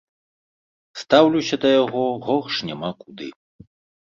Стаўлюся да яго горш няма куды.